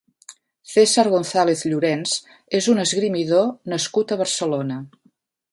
César González Llorens és un esgrimidor nascut a Barcelona.